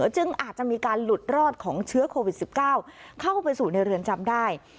จึงอาจจะมีการหลุดรอดของเชื้อโควิด๑๙เข้าไปสู่ในเรือนจำได้